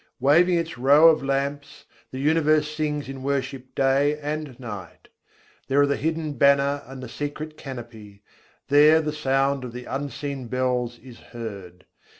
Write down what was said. Waving its row of lamps, the universe sings in worship day and night, There are the hidden banner and the secret canopy: There the sound of the unseen bells is heard.